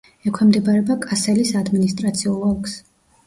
ექვემდებარება კასელის ადმინისტრაციულ ოლქს.